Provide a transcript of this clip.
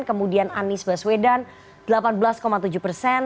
kemudian anies baswedan delapan belas tujuh persen